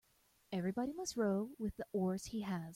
Everybody must row with the oars he has.